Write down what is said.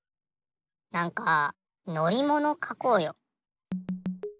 なんかのりものかこうよ。